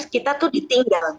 kita tuh ditinggal